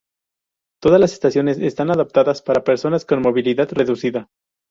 Todas las estaciones están adaptadas para personas con movilidad reducida.